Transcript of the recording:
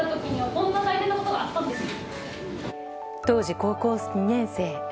当時、高校２年生。